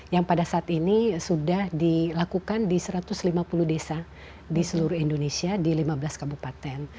yang pada saat ini sudah dilakukan di satu ratus lima puluh desa di seluruh indonesia di lima belas kabupaten